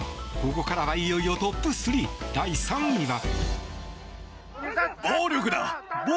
ここからはいよいよトップ３第３位は。